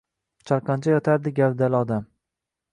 Chalqancha yotardi gavdali odam.